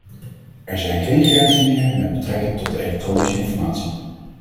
Er zijn geen grenzen meer met betrekking tot de elektronische informatie.